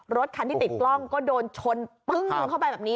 รถคันที่ติดกล้องก็โดนชนปึ้งเข้าไปแบบนี้